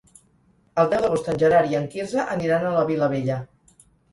El deu d'agost en Gerard i en Quirze aniran a la Vilavella.